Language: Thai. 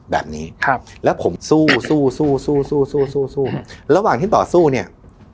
แบบนี้ครับแล้วผมสู้สู้สู้สู้สู้สู้ระหว่างที่ต่อสู้เนี่ย